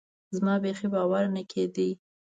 زما بيخي باور نه کېده.